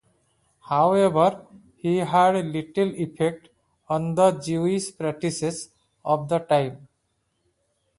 However, he had little effect on the Jewish practices of the time.